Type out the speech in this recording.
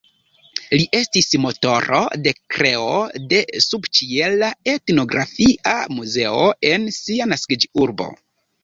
Li estis motoro de kreo de subĉiela etnografia muzeo en sia naskiĝurbo.